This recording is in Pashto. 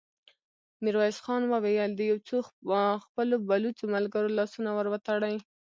ميرويس خان وويل: د يو څو خپلو بلوڅو ملګرو لاسونه ور وتړئ!